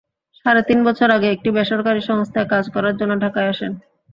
সাড়ে তিন বছর আগে একটি বেসরকারি সংস্থায় কাজ করার জন্য ঢাকায় আসেন।